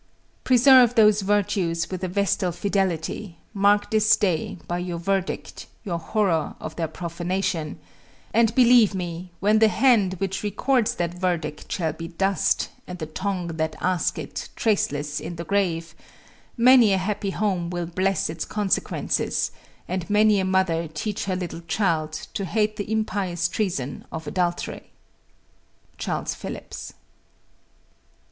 Preserve those virtues with a vestal fidelity; mark this day, by your verdict, your horror of their profanation; and believe me, when the hand which records that verdict shall be dust, and the tongue that asks it, traceless in the grave, many a happy home will bless its consequences, and many a mother teach her little child to hate the impious treason of adultery. CHARLES PHILLIPS.